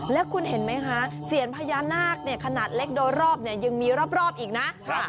แล้วคุณเห็นไหมคะเสียญพญานาคขนาดเล็กโดยรอบเนี่ยยังมีรอบอีกนะ